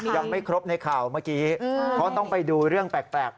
ลูกวัวตัวหนึ่ง